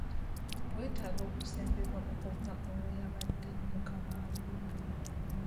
Weetaaga okusembewa kuva ow'eyabadde mukamaawo.